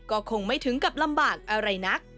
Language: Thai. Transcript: ก็คงไม่ถึงกับลำบากอะไรนัก